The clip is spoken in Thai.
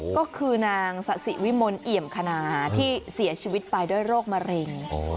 ก็คือนางสะสิวิมลเอี่ยมคณาที่เสียชีวิตไปด้วยโรคมะเร็ง